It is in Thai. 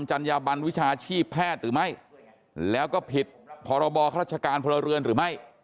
จัญญาบันวิชาชีพแพทย์หรือไม่แล้วก็ผิดพรบข้าราชการพลเรือนหรือไม่